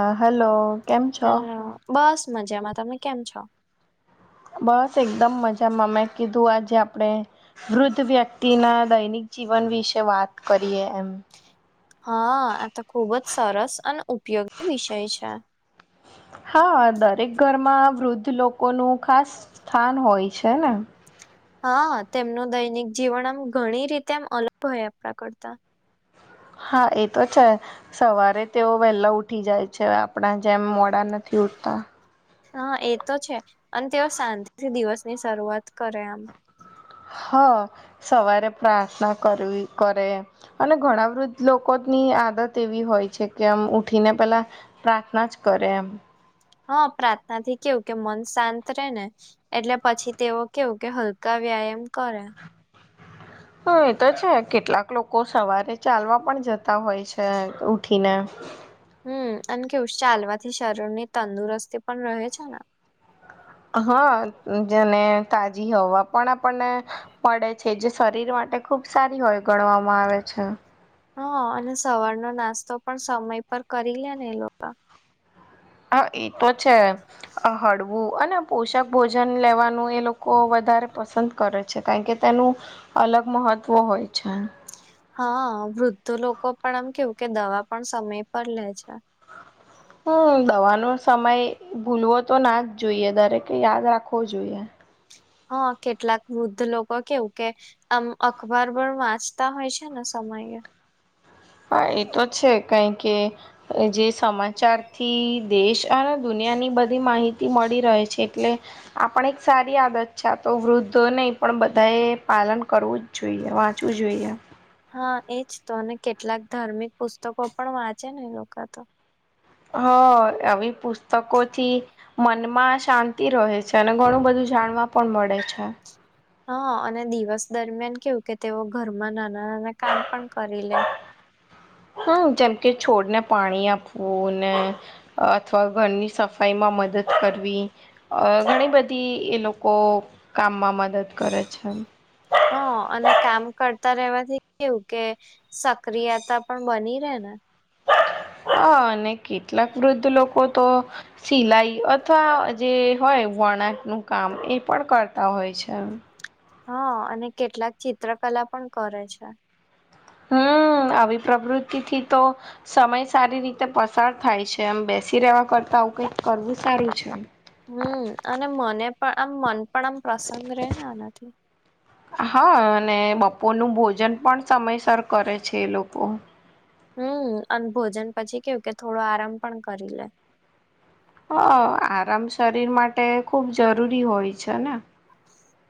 હા હલો કેમ છો હેલો બસ મજામાં તમે કેમ છો? બસ એકદમ મજામાં મેં કીધું આજે આપડે વૃદ્ધ વ્યક્તિ ના દૈનિક જીવન વિશે વાત કરીએ એમ. હા આ તો ખુબ જ સરસ અન ઉપયોગી વિષય છે. હા દરેક ઘરમાં વૃદ્ધ લોકોનું ખાસ સ્થાન હોય છે ને. હા તેમનું દૈનિક જીવન આમ ઘણી રીતે એમ અલગ હોય આપડા કરતા. [inaudible] હા એ તો છે સવારે તેઓ વહેલા ઉઠી જાય છે આપડા જેમ મોડા નથી. ઉઠતા. હા એ તો છે અને તેઓ શાંતિથી દિવસની શરૂઆત કરે આમ. હા સવારે પ્રાર્થના કરવી કરે અને ઘણા વૃદ્ધ લોકો ની આદત એવી હોય છે કે આમ ઉઠીને પેલા પ્રાર્થના જ કરે એમ. હા પ્રાર્થના થી કેવું કે મન શાંત રે ને એટલે પછી તેવ કેવું કે હલકા વ્યાયામ કરે. હ એ તો છે કેટલાક લોકો સવારે ચાલવા પણ જતા હોય છે ઉઠી ઠી ને. હમ અન કેવું ચાલવાથી શરીર ની તંદુરસ્તી પણ રહે છે ને. હા જેને તાજી હવા પણ આપણને પળે છે જે શરીર માટે ખુબ સારી હોય ગણવામાં આવે. છે. હા અને સવારનો નાસ્તો પણ સમય પર કરી લે ને એ લોકો. હા એ તો છે હળવું અને પોષક ભોજન લેવાનું એ લોકો વ વધારે પસંદ કરે છે કારણ કે તેનું અલગ મહત્વ હોય છે. હા વૃદ્ધો લોકો પણ એમ કેવું કે દવા પણ સમય પર લે છે. [inaudible] હમ દવાનો સમય ભૂલવો તો ના જ જોઈએ દરેકે યાદ રાખવો જોઈએ. હા કેટલાક વૃદ્ધ લોકો કેવું કે આમ અખબાર પણ વાંચતા હોય છે ને શ મયે. [inaudible] હા એતો છે કઈ કે જે સમાચાર થી દેશ આલ દુનિયાની બધી માહિત તી મળી રહે છે એટલે આ પણ એક સારી આદત છે તો વૃદ્ધો નહી પણ બધા એ પા લન કરવું જ જોઈએ વાંચવું જોઈએ. હા એજ તો અને કેટલાક ધાર્મિક પુસ્તકો પણ વાંચે ને એ લોકો તો હ આવી પુસ્તકોથી મનમાં શાંતિ રહે છે અને ઘણું બધું જાણવા પણ મળે છે હા અને દિવસ દરમિયાન કેવું કે તેઓ ઘરમાં ના ના નાના કામ પણ કરી લે હમ જેમ કે છોડને પાણી આપવું ને અથવા ઘરની સફાઈમાં મદદ કરવી અ ઘણી બધી એ લોકો કામમાં મદદ કરે છે હ અને કામ કરતા રવાથી કેવું કે સક્રિયતા પણ બની રહે ને [inaudible] હ અને કેટલાક વૃદ્ધ લોકો તો સિલાઈ અથવા જે હોય વણાક નું કામ એ પણ કરતા હોય છે હા અને કેટલાક ચિત્રકલા પણ કરે છે હમ હમ આવી પ્રવૃતિથી તો સમય સારી રીતે પસાર થાય છે એમ બેસી રહેવા કરતા આવું કઈક કરવું સારું છે હમ અને મને પણ આમ મન પણ આમ પ્રસન્ન રહે ને આનાથી હા અને બપોર નું ભોજન પણ સમયસર કરે છે એ લોકો હમ અને ભોજન પછી કેવું કે થોડો આરામ પણ કરી લે હ આરામ શરીર માટે ખુબ જરૂરી હોય છે ને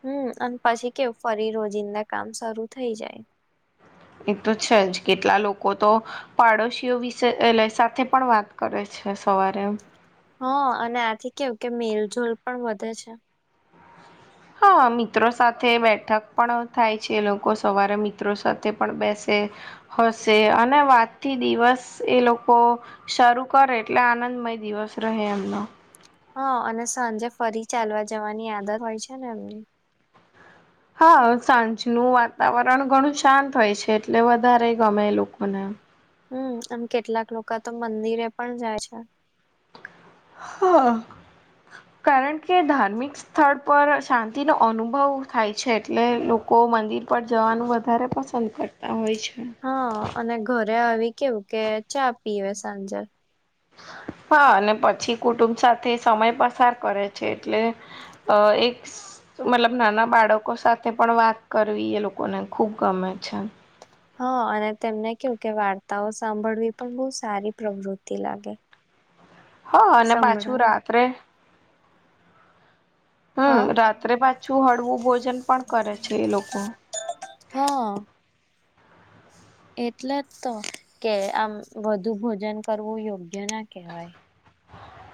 હમ અને પછી કેવ ફરી રોજિંદા કામ શરૂુ થઈ જાય એ તો છે જ કેટલા લોકો તો પાડોશીઓ વિશે સાથે પણ વાત કરે છે અચછા સવારે હ અને આથી કેવું કે મેલજલ પણ વધે છે હા મિત્રો સાથે બેઠક પણ થાય છે લોકો સવારે મિત્રો સાથે પણ બેસે હશે અને વાત થી દિવસ એ લોકો શરૂ કરે એટલે આનંદ મય દિવસ રહે એમનો હા અને સાંજે ફરી ચાલવા જવાની આદત હોય છે ને એમની હા સાંજનું વાતાવરણ ઘણું શાંત હોય છે એટલે વધારે ગમે લોકોને હમ આમ કેટલાક લોકો તો મંદિરે પણ જાય છે હા કારણ કે ધાર્મિક સ્થળ પર શાંતિનોો અનુભવ થાય છે એટલે લોકો મંદિર પર જવાનું વધારે પસંદ કરતા હોય છે હા અને ઘરે આવી કેવું કે ચા પીવે સાંજે હ હા અને પછી કુટુંબ સાથે સમય પસાર કરે છે એટલે અ એક મતલબ નાના બાળકો સાથે પણ વાત કરવી એ લોકોને ખુબ ગમે છે હા અને તેમને કેવું કે વાર્તાઓ સાંભળવી પણ બહુ સારી પ્રવૃતિ લાગે હ અને પાછું સંભળાવે રાત્રે હમ હા રાત્રે પાછું હળવું ભોજન પણ કરે છે એ લોકો હા એટલે જ તો કે આમ વધુ ભોજન કરવું યોગ્ય ના કહેવાય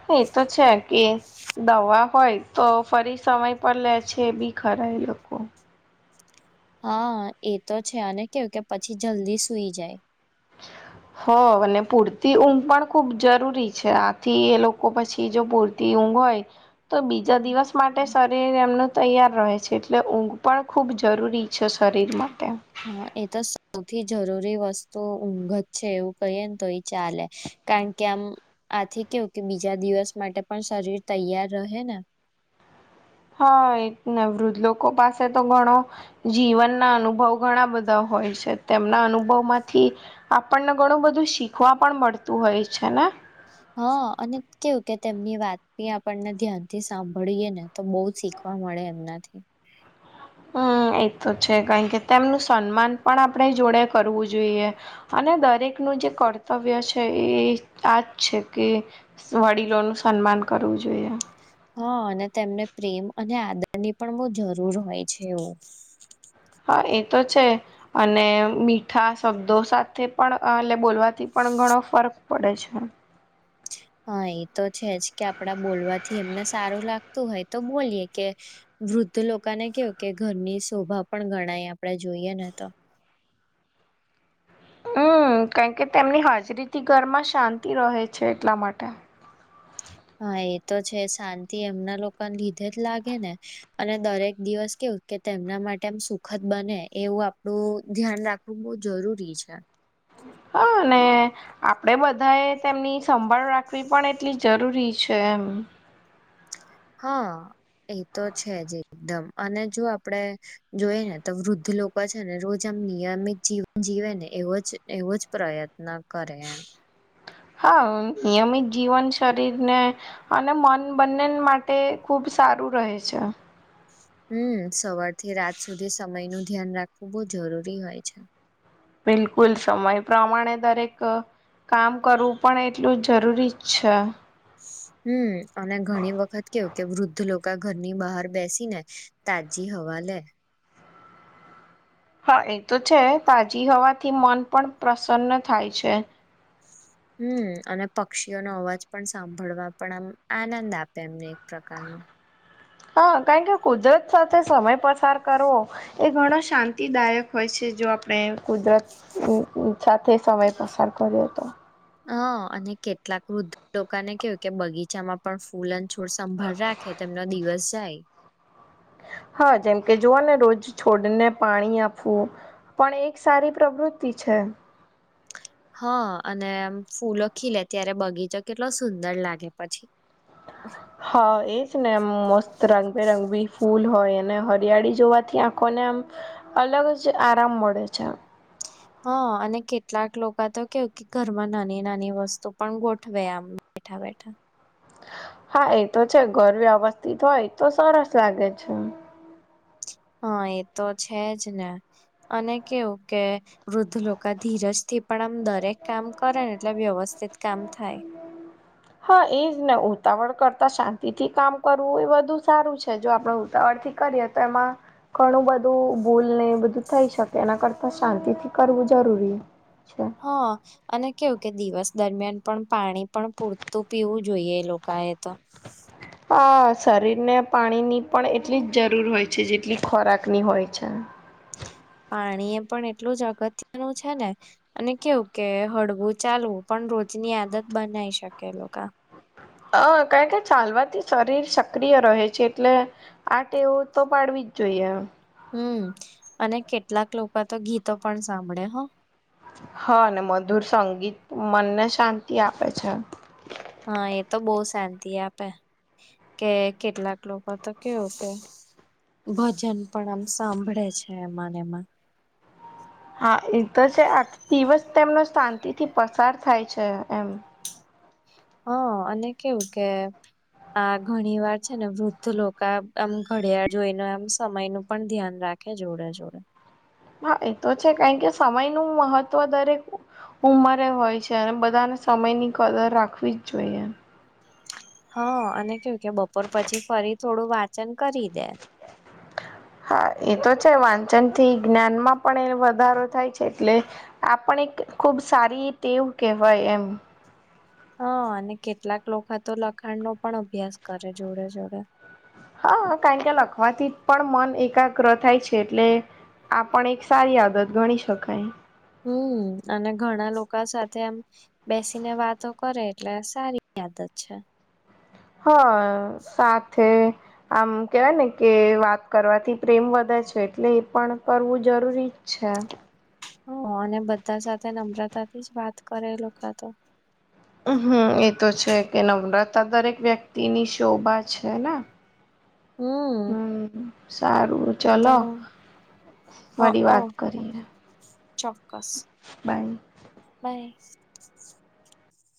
હ એ તો છે કે દવા હોય તો ફરી સમય પર લે છે બી ખર ક લોકોખ હા એ તો છે અને કેવું કે પછી જલ્દી સુઈ જાય અચ્ા હો અને પૂરતી ઊંઘ પણ ખુબ જરૂરી છે આથી એ લોકો પછી જો પૂરતી ઊંઘ હોય તો બીજા દિવસ માટે શરીર એમનું તૈયાર રહે છે એટલે ઊંઘ પણ ખૂબ જરૂરી છે શરીરમાં હા એ તો જ થી જરૂરી વસ્તુ ઊંઘ જ છે એવું કહીએને તો એ ચાલે કારણ કે આમ થી કેવું કે બીજા દિવસ માટે પણ શરીર તૈયાર રહે ને હ હા એ વૃદ્ધ લોકો પાસે તો ઘણો જીવન ના અનુભવ ઘણા બધા હોય છે તેમના અનુભવ માંથી આપણને ઘણું બધું શીખવા પણ મળતું હોય છે ને હા અને કેવું કે તેમની વાતી આપણને ધ્યાન થી સાંભળીએ ને તો બહ શીખ શીખવા મળે એમનાથી હમ એ તો છે કારણ કે તેમનું સન્માન પણ આપણે જોડે કરવું જોઈએ અને દરેકનું જે કર્તવ્ય છે એ આજ છે કે વડીલોનુંું સન્માન કરવું જોઈએ યા હા અને તેમને પ્રેમ અને આદરની પણ બહ જરૂર હોય છે એવું હા એ તો છે અને મીઠા શબ્દો સાથે પણ એટલે બોલવાથી પણણ ઘણો ફર્ક પડે છે હા એ તો છે જ કે આપડા બોલવાથી એમને સારું લાગતું હોય તો બોલીએ કે વૃદ્ધ લોકોને કેવું કે ઘરની શોભા પણ ગણાય આપણેે જોઈએ ને તો હમ હમ કારણ કે તેમની હાજરીથી ઘરમાં શાંતિ રહે છે એટલા માટે હા એ તો છે શાંતિ એમના લોકોને લીધે જ લાગે ને અને દરેક દિવસ કે કે તેમના માટે આમ સુખદ બને એવું આપડું ધ્યાન રાખવું બહ જરૂરી છે હમ હા અને આપણેે બધાએ તેમની સંભાળ રાખવી પણ એટલી જરૂરી છે એમ હમ હા એ તો છે જ એકદમ અને જો આપડે જોઈ ને તો વૃદ્ધ લોકો છે ને રોજ નિયમિત જીવન જીવે ને એવો એવો જ પ્રયત્ન કરે એમ હા નિયમિત જીવન શરીરને અને મન બંને માટે ખુબ ખૂબ સારું રહેે છે હમ સવારથી રાત સુધી સમય નું ધ્યાન રાખવું બહુ જરૂરી હોય છે બિલકુલ સમય પ્રમાણે દરેક કામ કરવું પણ એટલું જરૂરી જ છે હમ અને ઘણી વખત કેવું કે વૃદ્ધ લોકો કકા ઘરની બહાર બેસી ને તાજી હવા લે હા એ તો છે તાજી હવાથી મન પણ પ્રસન્ન થાય છે હમ અને પક્ષીઓનો અવાજ પણ સાંભળવા પણ આમ આનંદ આપે એમને પ્રકારનો હા કારણ કે કુદરત સાથે સમય પસાર કરવો એ ઘણો શાંતિદાયક હોય છે જો આપણે કુદરત સાથે સમય પસાર કર કર તો હ અને કેટલાક વૃદ્ધ લોકોને કેવું કે બગીચામાં પણ ફૂલ છોડ સંભાળ રાખે તેમનો દિવસ જાય હા જેમ કે જોવાને રોજ છોડને પાણી આપવું પણ એક સારી પ્રવૃત્તિ છે હા અને ફૂલો ખીલે ત્યારે બગીચો કેટલો સુંદર લાગે પછી હા એ જ ને મસ્ત રંગબેરંગી ફૂલ હોય અને હરિયાળી જોવાથી આંખોને આમ અલગ જ આરામ મળે છે હા અને કેટલાક લોકો તો કેવ કે ઘરમાં નાની નાની વસ્તુ પણ ગોઠવે આમ બેઠા બેઠા હા એ તો છે ઘર વ્યવસ્થિત હોય તો સરસ લાગે છે હા એ તો છે જ ને અને કેવું કે વૃદ્ધ લોકા થી ધીરજ થી પણ આમ દરેક કામ કરે ને એટલે વ્યવસ્થિત કામ થાય હા એજ ને ઉતાવળ કરતા શાંતિ થી કામ કરવું એ બધું સારું છે જો આપણેે ઉતાવળ કરી તો એમાં ઘણું બધું ભૂલ ને એ બધું થઈ શકે એના કરતા શાંતિથી કરવું જરૂરી છે. હા અને કેવું કે દિવસ દરમિયાન પણ પાણી પણ પૂરતું પીવું જોઈએ એ લોકોએ તો અ શરીરને પાણીની પણ એટલી જ જરૂર હોય છે જેટલી ખોરાકની હોય છે [unintelligible] પાણી એ પણ એટલું જ અગત્ય નું છે ને અને કેવું કે હળવું ચાલવું પણ રોજ ની આદત બનાવી શકે લોકો હ કણ કે ચાલવાથી શરીર સક્રિય રહે છે એટલે આ ટેવું તો પાડવી જોઈએ હમ અને કેટલાક લોકો તો ગીતો પણ સાંભળે હો હા ને મધુર સંગીત મનને શાંતિ આપે છે હા એ તો બહુ શાંતિ આપે કે કેટલાક લોકો તો કેવું કે ભજન પણ આમ સાંભળે છે એ મને એમાં હા થી પસાર થાય છે એમ હા અને કેવું કે આ ઘણી વાર છે ને વૃદ્ધ લોકો આમ ઘડિયાળ જોઈને એમ સમય નું પણ ધ્યાન રાખે આખ્યા જોર જોર હા એ તો છે કારણ કે સમય નું મહત્વ દરેક ઉંમરે હોય છે અને બધાને સમયની કદર રાખવી જ જોઈએ હા અને કેવું કે બપોર પછી ફરી થોડું વાચન કરી દે હ હા એ તો છે વાંચન થી જ્ઞાનમાં પણ એ વધારો થાય છે એટલે આપણે ખુબ સારી ટેવ કહેવાય એમ હા અને કેટલાક લોકો તો લખાણ નો પણ અભ્યાસ કરે જોડે જોડે હા હ કારણ કે લખવાથી પણ મન એકાગ્ર થાય છે એટલે આ પણ એક સારી આદત ગણી શકાય હમ અને ઘણા લોકો સાથે આમ બેસીને વાતો કરે એટલે સારી આદત છે હ સાથે આમ કેવાય ને કે વાત કરવાથી પ્રેમ વધે છે એટલે એ પણ કરવું જરૂરી છે હ અને બધા સાથે નમ્રતાથી જ વાત કરે લોકો તો મ હમ એ તો છે કે નવ્રતા દરેક વ્યક્તિ ની શોભા છે ને હમ સારું તો ચલો વાડી વાત હ કરીએ ચોક્કસ બાય બાય